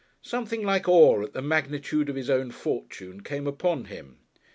Something like awe at the magnitude of his own fortune came upon him.